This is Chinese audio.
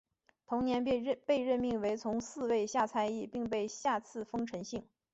同年被任命为从四位下参议并被下赐丰臣姓。